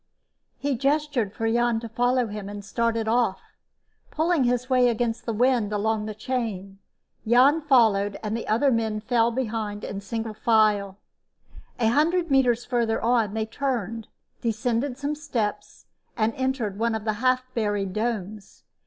_" He gestured for Jan to follow him and started off, pulling his way against the wind along the chain. Jan followed, and the other men fell in behind in single file. A hundred meters farther on, they turned, descended some steps and entered one of the half buried domes.